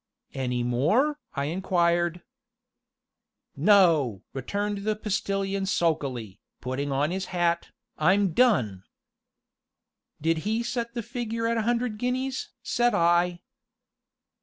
"Any more?" I inquired. "No!" returned the Postilion sulkily, putting on his hat, "I'm done!" "Did he set the figure at a hundred guineas?" said I.